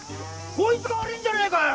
こいつが悪いんじゃねえかよ！